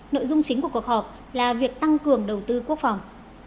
nội dung chính của cuộc họp là việc tăng cường đầu tư quốc phòng